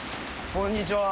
こんにちは。